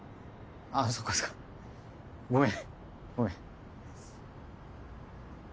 あっそっかそっかごめんごめん。